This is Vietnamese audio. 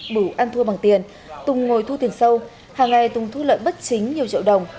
đủ ăn thua bằng tiền tùng ngồi thu tiền sâu hàng ngày tùng thu lợi bất chính nhiều triệu đồng